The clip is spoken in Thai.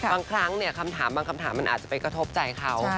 บางครั้งเนี่ยคำถามบางคำถามมันอาจจะไปกระทบใจเขา